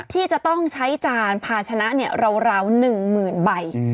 ที่จะต้องใช้จานภาษณะเนี่ยราว๑หมื่นใบ